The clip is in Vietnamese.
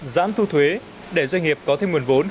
giãn thu thuế để doanh nghiệp có thêm nguồn vốn